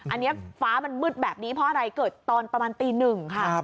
อันนี้ฟ้ามันมืดแบบนี้เพราะอะไรเกิดตอนประมาณตีหนึ่งค่ะ